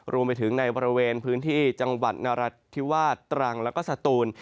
รวมไปถึงในบริเวณพื้นที่จังหวัดนรัฐธิวาสตรังแล้วก็สตูน